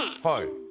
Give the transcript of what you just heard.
はい。